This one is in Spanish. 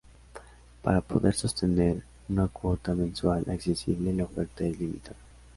Para poder sostener una cuota mensual accesible la oferta es limitada.